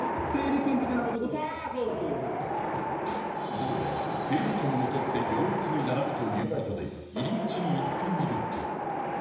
どうやら整理券を取って行列に並ぶという事で入り口に行ってみると